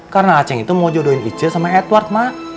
karena acing itu mau jodohin ije sama edward ma